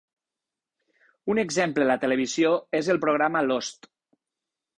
Un exemple a la televisió és el programa "Lost".